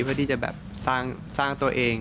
เพื่อสร้างตัวเอง